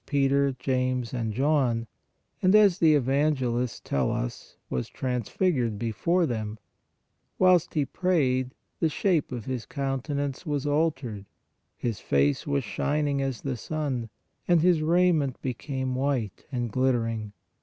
Peter, James and John, and, as the evangelists tell us, was transfigured before them; whilst He prayed, the shape of His countenance was altered, His face was shining as the sun, and His raiment became white and glittering.